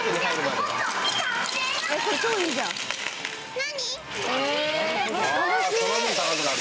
何？